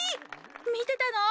みてたの？